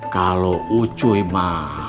kalau ucuy ma